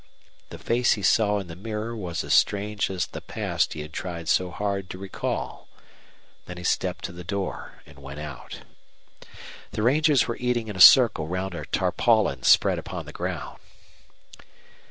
The face he saw in the mirror was as strange as the past he had tried so hard to recall. Then he stepped to the door and went out. The rangers were eating in a circle round a tarpaulin spread upon the ground.